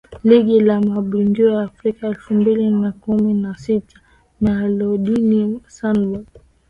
Ligi ya Mabingwa Afrika elfu mbili na kumi na sita Mamelodi Sundowns